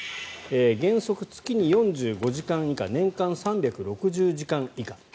原則月に４５時間以下年間３６０時間以下。